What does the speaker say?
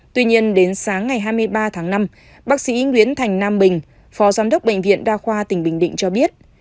tuy nhiên đến sáng ngày hai mươi ba tháng năm bác sĩ nguyễn thành nam bình phó giám đốc bệnh viện đa khoa tỉnh bình định cho biết